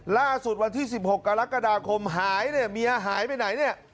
ล่าสุดวันที่๑๖กรกฎาคมหายเนี่ยเมียหายไปไหนเนี่ย